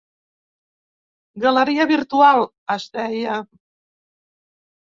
"Galeria Virtual", es deia.